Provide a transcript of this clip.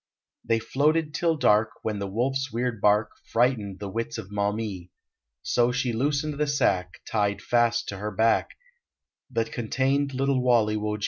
They floated till dark, When the wolfs weird bark Frightened the wits of Maumee ; So she loosened the sack, Tied fast to her back, That contained little Walle wo ge.